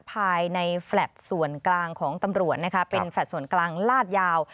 ภายในแฟลต์ส่วนกลางของตำรวจนะคะเป็นแฟลต์ส่วนกลางลาดยาว